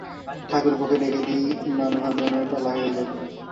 ঠাকুরপোকে ডেকে দিই, মানভঞ্জনের পালা হয়ে যাক।